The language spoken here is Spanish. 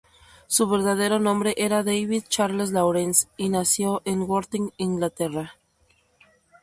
Su verdadero nombre era David Charles Lawrence, y nació en Worthing, Inglaterra.